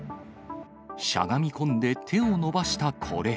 しゃがみ込んで、手を伸ばしたこれ。